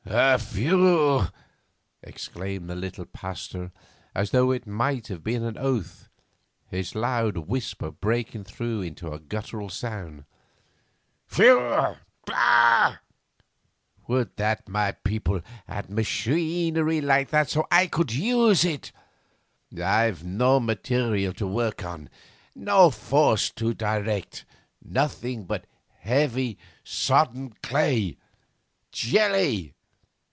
'Pfui!' exclaimed the little Pasteur as though it might have been an oath, his loud whisper breaking through into a guttural sound, 'pfui! Bah! Would that my people had machinery like that so that I could use it! I've no material to work on, no force to direct, nothing but heavy, sodden clay. Jelly!